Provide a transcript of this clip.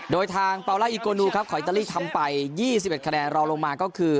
โดยทางปาล่าอิโกนูครับของอิตาลีทำไป๒๑คะแนนรองลงมาก็คือ